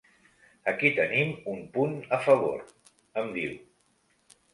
“Aquí tenim un punt a favor”, em diu.